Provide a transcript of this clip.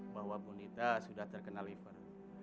bahwa bu nita sudah terkena liver